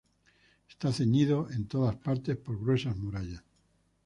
Está ceñido en todas partes por gruesas murallas.